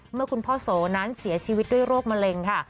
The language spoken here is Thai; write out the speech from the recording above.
เมื่อคุณพ่อโสนั้นเสียชีวิตด้วยโรคมะเร็งค่ะ